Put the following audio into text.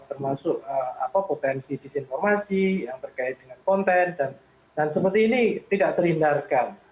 termasuk potensi disinformasi yang terkait dengan konten dan seperti ini tidak terhindarkan